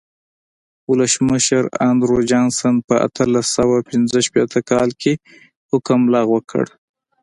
ولسمشر اندرو جانسن په اتلس سوه پنځه شپېته کال کې حکم لغوه کړ.